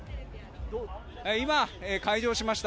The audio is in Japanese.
今、開場しました。